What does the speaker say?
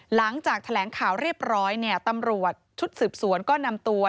หลังจากแถลงข่าวเรียบร้อยเนี่ยตำรวจชุดสืบสวนก็นำตัว